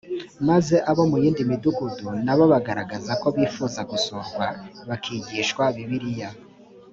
maze abo mu yindi midugudu na bo bagaragaza ko bifuzaga gusurwa bakigishwa bibiliya